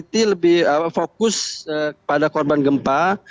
masar humanity lebih fokus pada korban gempa